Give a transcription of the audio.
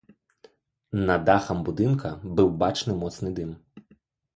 На дахам будынка быў бачны моцны дым.